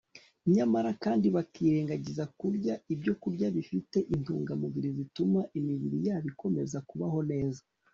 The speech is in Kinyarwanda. nyamara kandi bakirengagiza kurya ibyokurya bifite intungamubiri zituma imibiri yabo ikomeza kubaho neza